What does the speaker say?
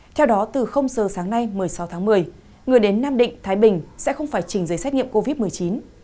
theo đó từ giờ sáng nay một mươi sáu tháng một mươi người đến nam định thái bình sẽ không phải trình giấy xét nghiệm covid một mươi chín